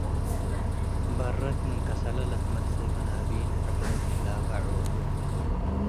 - በረት፤ ምን ከሰለ ለትመጽእ በናቢን ሕብር ለበ ዑርት ።